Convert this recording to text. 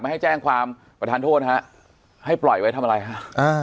ให้แจ้งความประธานโทษฮะให้ปล่อยไว้ทำอะไรฮะอ่า